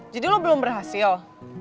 jadi lo belum berhasil